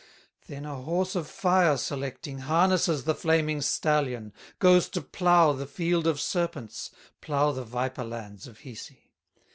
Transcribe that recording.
Then a horse of fire selecting, Harnesses the flaming stallion, Goes to plow the field of serpents, Plow the viper lands of Hisi.